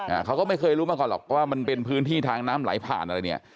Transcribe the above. อ่าเขาก็ไม่เคยรู้มาก่อนหรอกว่ามันเป็นพื้นที่ทางน้ำไหลผ่านอะไรเนี่ย